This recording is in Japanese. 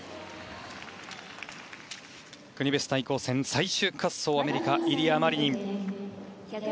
国別対抗戦、最終滑走アメリカ、イリア・マリニン。